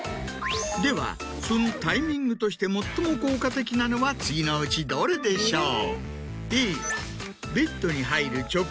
ではそのタイミングとして最も効果的なのは次のうちどれでしょう？